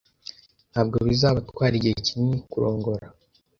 Ntabwo bizabatwara igihe kinini kurongora.